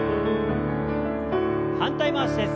反対回しです。